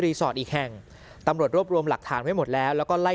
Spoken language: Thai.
อีกแห่งตำรวจรวบรวมหลักฐานไว้หมดแล้วแล้วก็ไล่